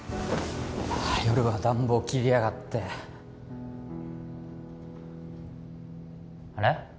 夜は暖房切りやがってあれ？